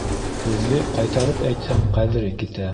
Һүҙҙе ҡайтарып әйтһәң, ҡәҙере китә.